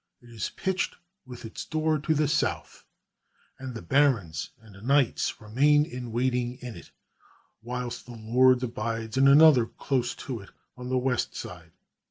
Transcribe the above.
It is pitched with its door to the south, and the barons and knights remain in waiting in it whilst the lord abides in another close to it on the west side.